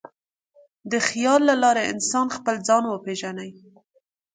د خیال له لارې انسان خپل ځان وپېژني.